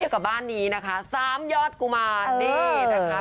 กับบ้านนี้นะคะ๓ยอดกุมารนี่นะคะ